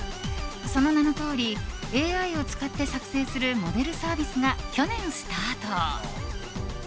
その名のとおりＡＩを使って作成するモデルサービスが去年スタート。